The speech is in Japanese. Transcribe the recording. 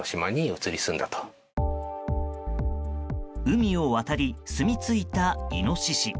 海を渡りすみついたイノシシ。